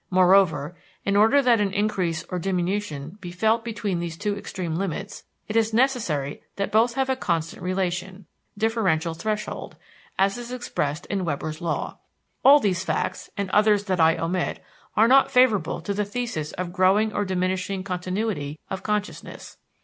Moreover, in order that an increase or diminution be felt between these two extreme limits, it is necessary that both have a constant relation differential threshold as is expressed in Weber's law. All these facts, and others that I omit, are not favorable to the thesis of growing or diminishing continuity of consciousness.